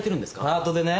パートでね。